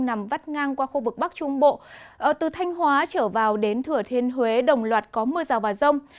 nằm vắt ngang qua khu vực bắc trung bộ từ thanh hóa trở vào đến thừa thiên huế đồng loạt có mưa rào và rông